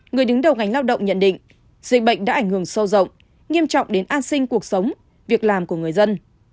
người đứng đầu ngành lao động nhận định dịch bệnh đã ảnh hưởng sâu rộng nghiêm trọng đến an sinh cuộc sống việc làm của người dân